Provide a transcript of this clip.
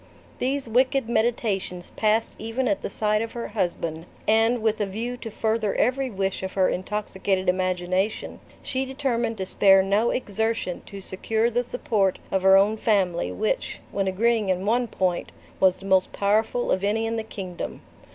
These wicked meditations passed even at the side of her husband, and, with a view to further every wish of her intoxicated imagination, she determined to spare no exertion to secure the support of her own family, which, when agreeing in one point, was the most powerful of any in the kingdom.